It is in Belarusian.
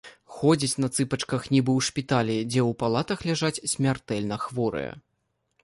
Ходзяць на цыпачках, нібы ў шпіталі, дзе ў палатах ляжаць смяртэльна хворыя.